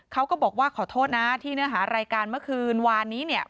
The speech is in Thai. เขาก็บอกว่าขอโทษนะที่เนื้อหารายการเมื่อคืนวานนี้เนี่ย